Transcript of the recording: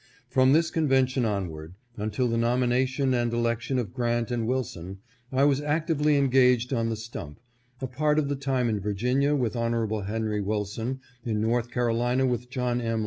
From this convention onward, until the nomination and election of Grant and Wilson, I was actively engaged on the stump, a part of the time in Virginia with Hon. Henry Wilson, in North Carolina with John M.